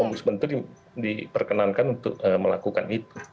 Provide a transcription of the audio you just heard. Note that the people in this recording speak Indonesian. om busman itu diperkenankan untuk melakukan itu